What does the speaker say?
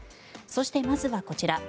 そして、まずはこちら。